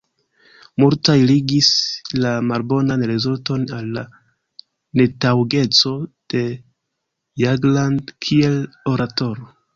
Multaj ligis la malbonan rezulton al la netaŭgeco de Jagland kiel oratoro.